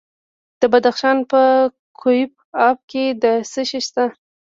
د بدخشان په کوف اب کې څه شی شته؟